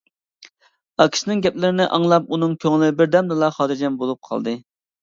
ئاكىسىنىڭ گەپلىرىنى ئاڭلاپ ئۇنىڭ كۆڭلى بىردەمدىلا خاتىرجەم بولۇپ قالدى.